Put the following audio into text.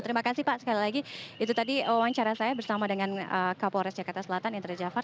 terima kasih pak sekali lagi itu tadi wawancara saya bersama dengan kapolres jakarta selatan indra jafar